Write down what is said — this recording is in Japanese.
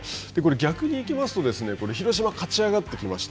逆に行きますと、広島が勝ち上がってきました。